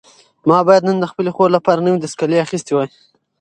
ما باید نن د خپلې خور لپاره نوي دستکشې اخیستې وای.